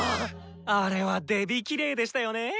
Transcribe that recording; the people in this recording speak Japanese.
あれはデビキレイでしたよねー。